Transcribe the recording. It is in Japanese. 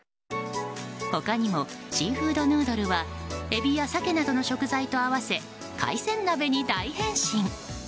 他にもシーフードヌードルはエビやサケなどの食材と合わせ海鮮鍋に大変身。